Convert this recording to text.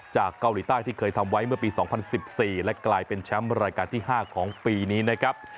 จากเกาหลีใต้ที่เคยทำไว้เมื่อปี๒๐๑๔และกลายเป็นแชมป์รายการที่๕ของปีนี้นะครับ